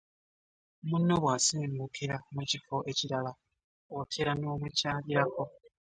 Munno bwasengukira mu kifo ekirala otera n'omukyalirako .